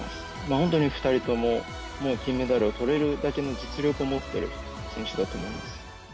本当に２人とも金メダルを取れるだけの実力を持っている選手だと思います。